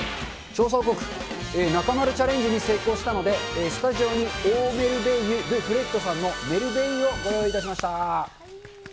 調査報告、中丸チャレンジに成功したので、スタジオにオー・メルベイユ・ドゥ・フレッドさんのメルベイユをご用意いたしました。